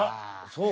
そう？